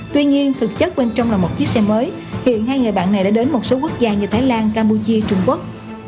tuy nhiên thực chất bên trong là một chiếc xe mới hiện hai người bạn này đã đến một số quốc gia như thái lan campuchia trung quốc